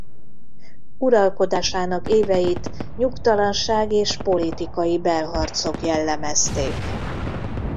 Uralkodásának éveit nyugtalanság és politikai belharcok jellemezték.